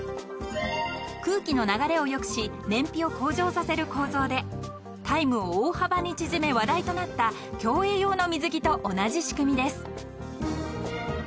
［空気の流れを良くし燃費を向上させる構造でタイムを大幅に縮め話題となった競泳用の水着と同じ仕組みです］